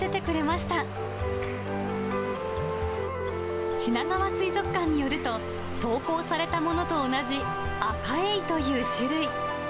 しながわ水族館によると、投稿されたものと同じ、アカエイという種類。